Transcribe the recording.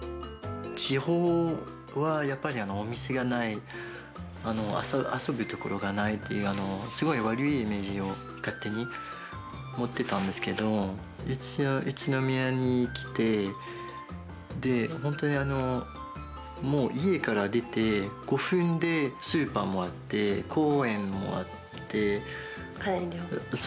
地方はやっぱりお店がない、遊ぶ所がないっていう、すごい悪いイメージを勝手に持ってたんですけど、一応、宇都宮に来て、本当にもう家から出て５分でスーパーもあって、公園もあって。